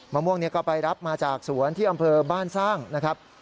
มะม่วงนี้ก็ไปรับมาจากสวนที่อำเภอบ้านสร้างนะครับ